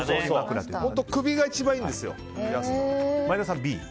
首が一番いいんですよ。